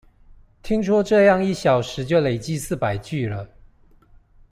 聽說這樣一小時就累積四百句了